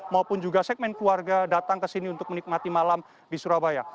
maupun juga segmen keluarga datang ke sini untuk menikmati malam di surabaya